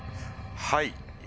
はい。